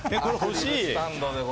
欲しい！